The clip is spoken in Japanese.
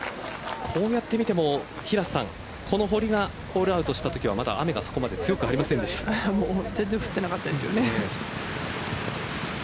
こうやって見てもこの堀がホールアウトしたときはまだ雨が全然降ってなかったですよね。